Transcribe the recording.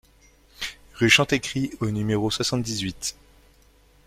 Rue Chantecrit au numéro soixante-dix-huit